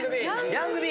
ヤングＢ！